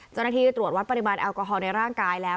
เจ้าหน้าที่ตรวจวัดปริมาณแอลกอฮอลในร่างกายแล้ว